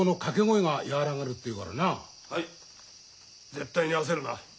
絶対に焦るな。